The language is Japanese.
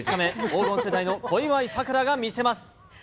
黄金世代の小祝さくらが見せます。